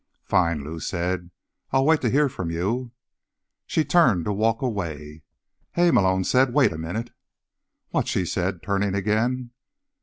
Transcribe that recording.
"Fine," Lou said. "I'll wait to hear from you." She turned to walk away. "Hey," Malone said. "Wait a minute." "What?" she said, turning again.